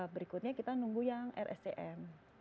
berikutnya kita nunggu yang rscm